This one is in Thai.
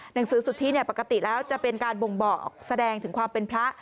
หนังสือสุทธิปกติแล้วจะเป็นการบ่งบอกแสดงถึงความเป็นพระ